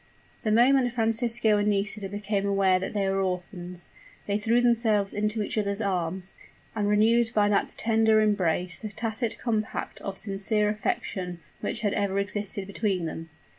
The moment Francisco and Nisida became aware that they were orphans, they threw themselves into each other's arms, and renewed by that tender embrace the tacit compact of sincere affection which had ever existed between them.